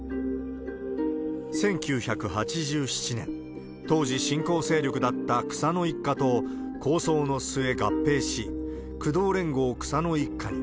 １９８７年、当時、新興勢力だった草野一家と抗争の末、合併し、工藤連合草野一家に。